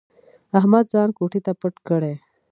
احمد ځان کوټې ته پټ کړي.